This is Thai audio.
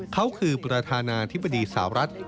เขาคือประธานาธิบดีสาวรัฐ